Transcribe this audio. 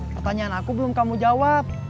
pertanyaan aku belum kamu jawab